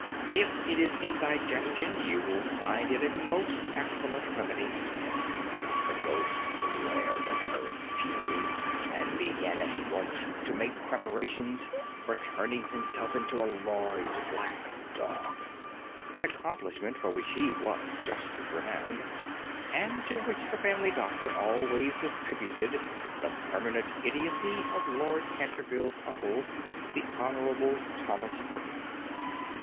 If it is indigestion, you will find it a most excellent remedy." The ghost glared at her in fury, and began at once to make preparations for turning himself into a large black dog, an accomplishment for which he was justly renowned, and to which the family doctor always attributed the permanent idiocy of Lord Canterville's uncle, the Hon. Thomas Horton.